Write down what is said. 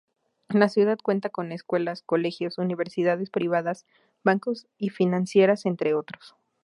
La ciudad cuenta con escuelas, colegios, universidades privadas, bancos y financieras, entre otros.